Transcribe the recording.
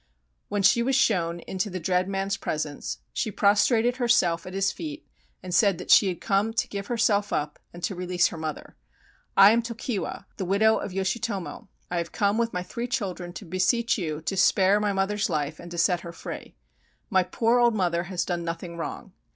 When she was shown into the dread man's presence, she prostrated herself at his feet and said that she had come to give herself up and to release her mother. "I am Tokiwa — the widow of Yoshitomo. I have come with my three children to beseech you to spare my mother's life and to set her free. My poor old mother has done nothing wrong.